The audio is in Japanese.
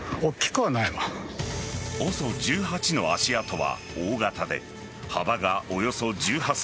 ＯＳＯ１８の足跡は大型で幅がおよそ１８ｃｍ。